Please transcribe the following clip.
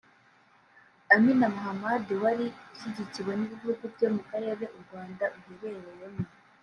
Amina Mohammed wari ushyigikiwe n’ibihugu byo mu karere u Rwanda ruherereyemo